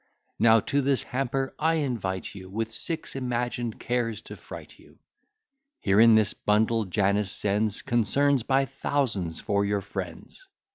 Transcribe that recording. Now to this hamper I invite you, With six imagined cares to fright you. Here in this bundle Janus sends Concerns by thousands for your friends.